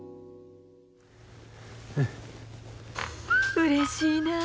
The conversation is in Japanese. うれしいなぁ。